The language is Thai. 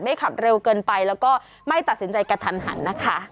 ขับเร็วเกินไปแล้วก็ไม่ตัดสินใจกระทันหันนะคะ